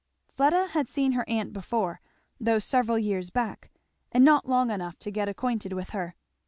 Fleda had seen her aunt before, though several years back, and not long enough to get acquainted with her.